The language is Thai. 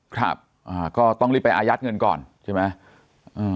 ครับอ่าก็ต้องรีบไปอายัดเงินก่อนใช่ไหม